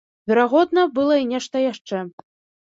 Верагодна, была і нешта яшчэ.